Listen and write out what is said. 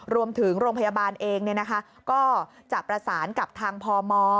โรงพยาบาลเองก็จะประสานกับทางพม